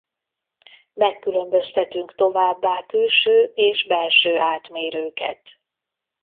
Megkülönböztetünk továbbá külső és belső átmérőket.